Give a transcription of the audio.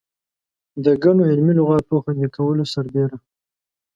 د ګڼو علمي لغاتو خوندي کولو سربېره.